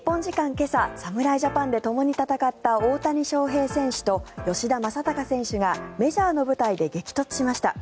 今朝侍ジャパンでともに戦った大谷翔平選手と吉田正尚選手がメジャーの舞台で激突しました。